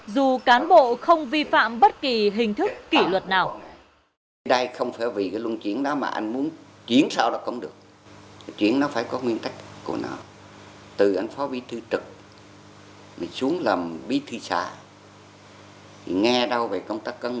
dù cán bộ không vi phạm bất kỳ hình thức kỷ luật nào